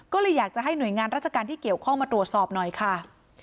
ก็เลยอยากจะให้หน่วยงานราชการที่เกี่ยวข้องมาตรวจสอบหน่อยค่ะ